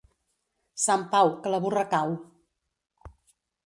Sant Pau, que la burra cau.